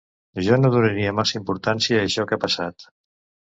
Jo no donaria massa importància a això que ha passat.